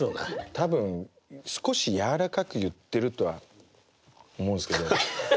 多分少しやわらかく言ってるとは思うんですけど。